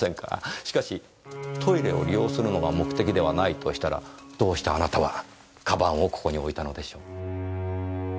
しかしトイレを利用するのが目的ではないとしたらどうしてあなたは鞄をここに置いたのでしょう？